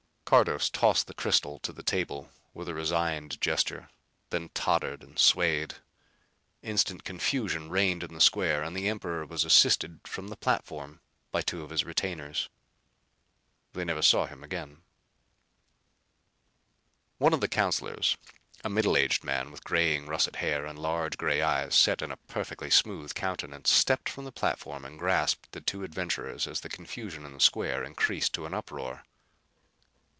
Cardos tossed the crystal to the table with a resigned gesture, then tottered and swayed. Instant confusion reigned in the square and the emperor was assisted from the platform by two of his retainers. They never saw him again. One of the counsellors, a middle aged man with graying russet hair and large gray eyes set in a perfectly smooth countenance, stepped from the platform and grasped the two adventurers as the confusion in the square increased to an uproar.